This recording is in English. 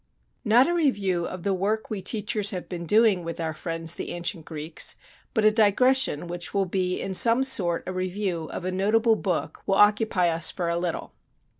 Not a review of the work we teachers have been doing with our friends, the ancient Greeks; but a digression which will be in some sort a review of a notable book will occupy us for a little.